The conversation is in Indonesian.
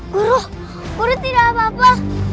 guru guru tidak apa apa